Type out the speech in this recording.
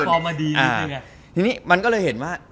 ทีนี้มันก็เลยเห็นว่า